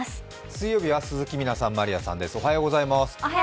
水曜日は鈴木みなさん、まりあさんです、おはようございます。